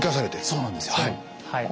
そうなんですよはい。